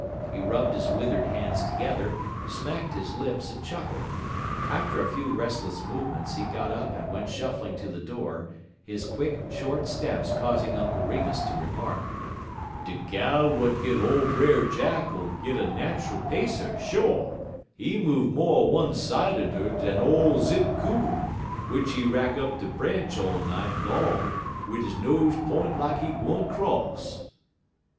He rubbed his withered hands together, smacked his lips and chuckled. After a few restless movements he got up and went shuffling to the door, his quick, short steps causing Uncle Remus to remark: "De gal w'at git ole Brer Jack 'ull git a natchul pacer, sho'. He move mo' one sideder dan ole Zip Coon, w'ich he rack up de branch all night long wid he nose p'int lak he gwine 'cross."